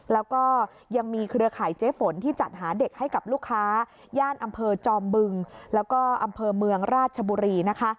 แล้วก็ยังมีเครือข่ายเจ๊ฝนที่จัดหาเด็กให้กับลูกค้าย่านอำเภอจอมบึงแล้วก็อำเภอเมืองราชบุรีนะคะ